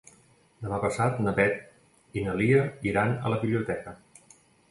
Demà passat na Beth i na Lia iran a la biblioteca.